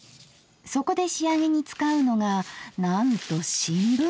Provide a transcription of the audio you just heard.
そこで仕上げに使うのがなんと新聞紙。